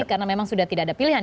karena memang sudah tidak ada pilihan